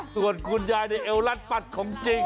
ทุกคนคุณยายเนี่ยเอวลัดปัดของจริง